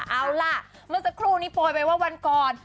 เอาล่ะเมื่อสักครู่นี้โปรยไปว่าวันก่อน